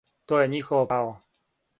То је њихово право.